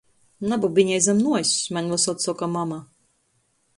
"Nabubinej zam nuoss!" maņ vysod soka mama.